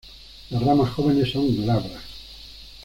Las ramas jóvenes son glabras.